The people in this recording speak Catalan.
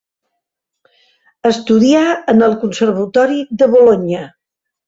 Estudià en el Conservatori de Bolonya.